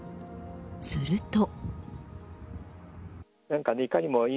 すると。